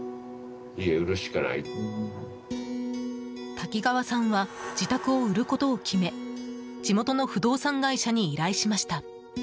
滝川さんは自宅を売ることを決め地元の不動産会社に依頼しました。